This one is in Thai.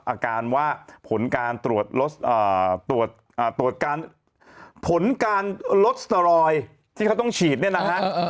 อาการว่าผลการลดสตรอยที่เขาต้องฉีดเนี่ยนะฮะ